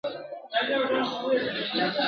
د سیلیو له کوګله زما آواز که در رسیږي ..